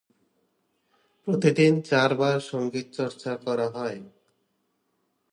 প্রতিদিন চার বার সঙ্গীতচর্চা করা হয়।